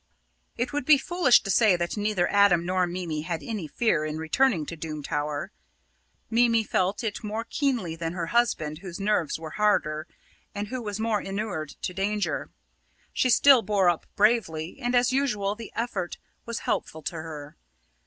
It would be foolish to say that neither Adam nor Mimi had any fear in returning to Doom Tower. Mimi felt it more keenly than her husband, whose nerves were harder, and who was more inured to danger. Still she bore up bravely, and as usual the effort was helpful to her.